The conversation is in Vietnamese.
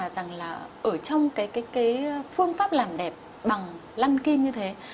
rằng là ở trong cái phương pháp làm đẹp bằng lăn kim như thế